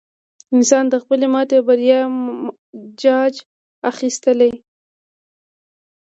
انسان د خپلې ماتې او بریا جاج اخیستلی.